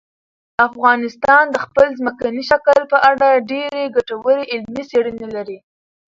افغانستان د خپل ځمکني شکل په اړه ډېرې ګټورې علمي څېړنې لري.